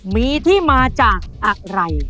มีที่มาจากอะไร